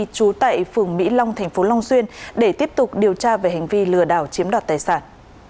trú tại phường mỹ long thành phố long xuyên để tiếp tục điều tra về hành vi lừa đảo chiếm đoạt tài sản